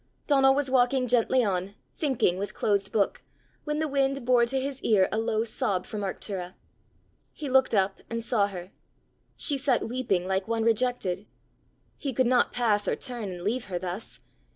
Donal was walking gently on, thinking, with closed book, when the wind bore to his ear a low sob from Arctura. He looked up, and saw her: she sat weeping like one rejected. He could not pass or turn and leave her thus!